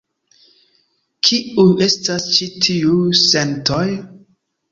Kiuj estas ĉi tiuj sentoj?